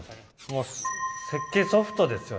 もう設計ソフトですよね。